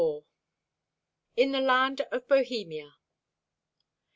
IN THE LAND OF BOHEMIA.